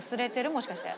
もしかして。